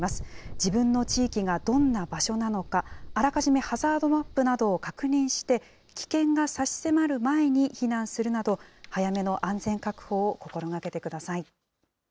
自分の地域がどんな場所なのか、あらかじめハザードマップなどを確認して、危険が差し迫る前に避難するなど、早めの安全確保を心がけてください。